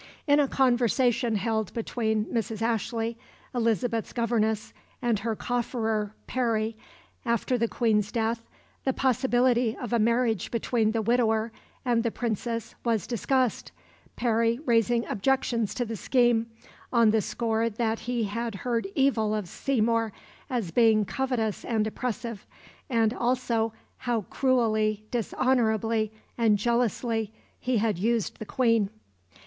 In a conversation held between Mrs. Ashley, Elizabeth's governess, and her cofferer, Parry, after the Queen's death, the possibility of a marriage between the widower and the Princess was discussed, Parry raising objections to the scheme, on the score that he had heard evil of Seymour as being covetous and oppressive, and also "how cruelly, dishonourably, and jealously he had used the Queen."